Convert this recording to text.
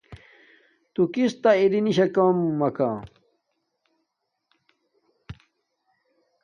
نو کس تہ اری نشاکم مکا۔